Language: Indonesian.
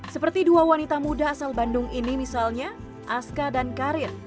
seperti dua wanita muda asal bandung ini misalnya aska dan karir